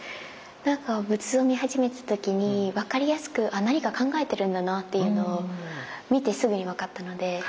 何か仏像見始めた時に分かりやすくあ何か考えてるんだなっていうのを見てすぐに分かったので。